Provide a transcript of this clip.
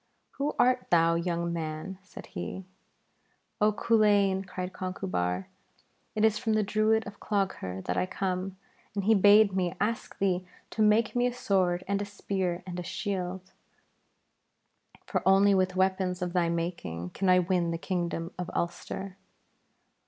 'Who art thou, young man?' said he. 'Oh Culain!' cried Conchubar, 'it is from the Druid of Clogher that I come, and he bade me ask thee to make me a sword and a spear and a shield, for only with weapons of thy making can I win the Kingdom of Ulster.'